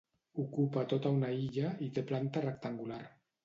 Ocupa tota una illa i té planta rectangular.